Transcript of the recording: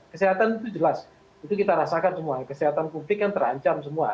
kesehatan itu jelas itu kita rasakan semua kesehatan publik kan terancam semua